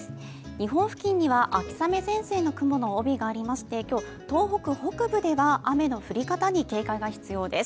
日本付近には秋雨前線の雲の帯がありまして今日東北北部では雨の降り方に警戒が必要です。